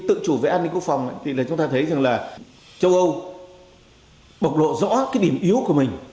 tự chủ về an ninh quốc phòng thì là chúng ta thấy rằng là châu âu bộc lộ rõ cái điểm yếu của mình